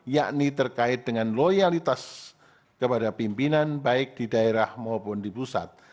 yakni terkait dengan loyalitas kepada pimpinan baik di daerah maupun di pusat